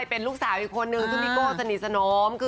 เป็นลูกสาวอีกคนนึงซึ่งพี่โก้สนิทสนม